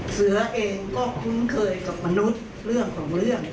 เสือเองก็คุ้นเคยกับมนุษย์เรื่องของเรื่อง